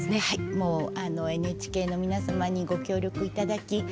はいもうＮＨＫの皆様にご協力いただき